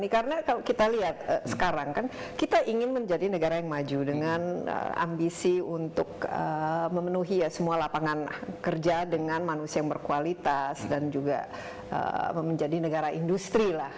karena kalau kita lihat sekarang kan kita ingin menjadi negara yang maju dengan ambisi untuk memenuhi semua lapangan kerja dengan manusia yang berkualitas dan juga menjadi negara industri lah